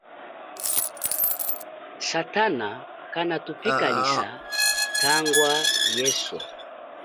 Satana kana tupikalisa tangwa lieswe.